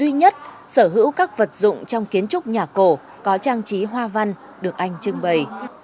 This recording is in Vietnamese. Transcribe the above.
nhất sở hữu các vật dụng trong kiến trúc nhà cổ có trang trí hoa văn được anh trưng bày